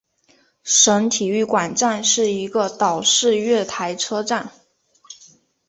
省体育馆站是一个岛式月台车站。